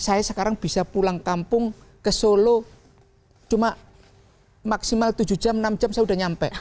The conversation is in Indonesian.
saya sekarang bisa pulang kampung ke solo cuma maksimal tujuh jam enam jam saya sudah nyampe